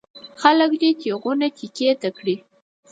خلک دې تېغونه تېکې ته کړي.